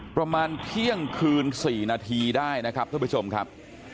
ประมาณเที่ยงคืน๔นาทีได้นะครับท่านผู้ชมครับ